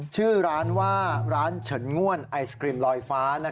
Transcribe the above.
ชื่อร้านว่าร้านเฉินง่วนไอศกรีมลอยฟ้า